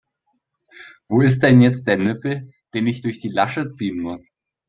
Wo ist denn jetzt der Nippel, den ich durch die Lasche ziehen muss?